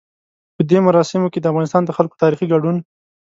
په دې مراسمو کې د افغانستان د خلکو تاريخي ګډون.